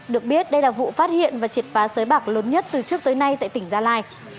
được biết đây là vụ phát hiện và triệt phá sới bạc lớn nhất từ trước tới nay tại tỉnh gia lai